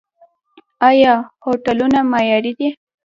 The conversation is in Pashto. آیا هوټلونه معیاري دي؟